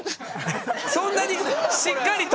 そんなにしっかりと？